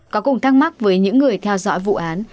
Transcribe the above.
có cùng thắc mắc với những người theo dõi vụ án